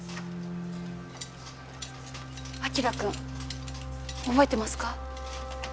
晶くん覚えてますか？